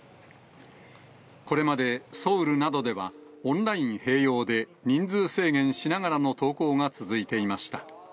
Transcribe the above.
これまでソウルなどでは、オンライン併用で人数制限しながらの登校が続いていました。